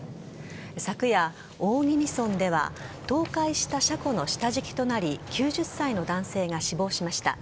昨夜、大宜味村では倒壊した車庫の下敷きとなり９０歳の男性が死亡しました。